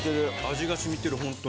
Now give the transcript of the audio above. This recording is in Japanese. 味が染みてるホントに。